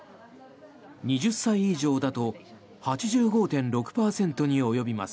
２０歳以上だと８５．６％に及びます。